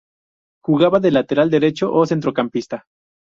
Jugaba de lateral derecho o centrocampista.